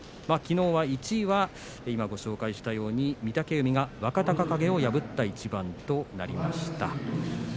きのうは１位は今ご紹介したように御嶽海が若隆景を破った一番となりました。